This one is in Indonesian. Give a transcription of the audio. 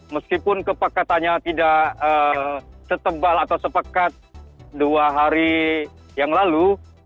meskipun kepekatannya tidak setebal atau sepekat dua hari yang lalu